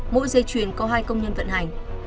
mỗi dây chuyền có hai công nhân vận hành